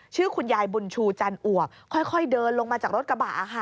ชื่อคุณยายบุญชูจันอวกค่อยเดินลงมาจากรถกระบะค่ะ